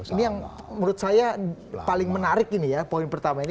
ini yang menurut saya paling menarik ini ya poin pertama ini